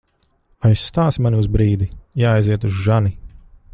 Aizstāsi mani uz brīdi? Jāaiziet uz žani.